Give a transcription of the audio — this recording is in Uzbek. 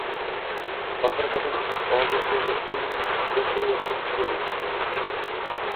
Oxiri xotin oldi shoʼrlik. Keyin biz bu yoqqa koʼchib chikdik.